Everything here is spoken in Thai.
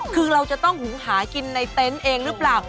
คือเราจะต้องหุงหากินในเต็นต์เองหรือเปล่า